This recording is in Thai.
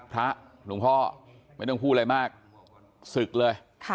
หลวงพ่อไม่ต้องพูดอะไรมากศึกเลย